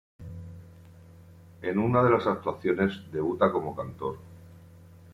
En una de las actuaciones debuta como cantor.